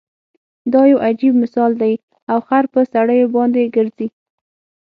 دا يو عجیب مثال دی او خر په سړیو باندې ګرځي.